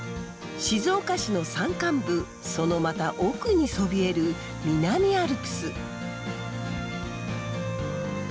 静岡市の山間部そのまた奥にそびえる南アルプス。